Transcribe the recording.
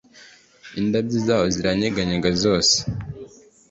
Indabyo zaho ziranyeganyega zose